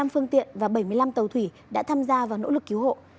một trăm hai mươi năm phương tiện và bảy mươi năm tàu thủy đã tham gia vào nỗ lực cứu hộ